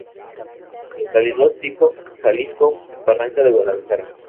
Localidad tipo: Jalisco: Barranca de Guadalajara.